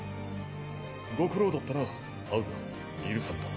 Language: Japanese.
ご苦労だったなハウザーギルサンダー。